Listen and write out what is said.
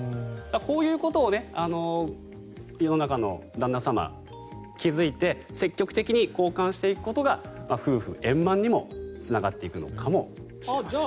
こういうことを世の中の旦那様は気付いて積極的に交換していくことが夫婦円満にもつながっていくのかもしれません。